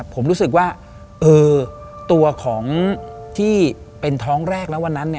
ผมรู้สึกว่าตัวของที่เป็นท้องแรกแล้ววันนั้น